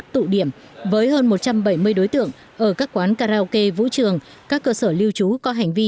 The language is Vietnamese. hai mươi tụ điểm với hơn một trăm bảy mươi đối tượng ở các quán karaoke vũ trường các cơ sở lưu trú có hành vi